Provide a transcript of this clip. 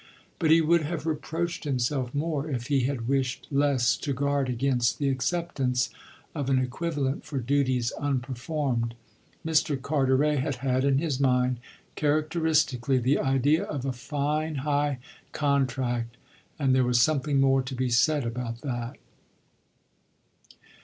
But he would have reproached himself more if he had wished less to guard against the acceptance of an equivalent for duties unperformed. Mr. Carteret had had in his mind, characteristically, the idea of a fine high contract, and there was something more to be said about that.